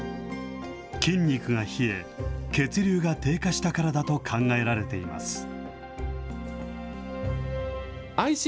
筋肉が冷え、血流が低下したからだと考えられています。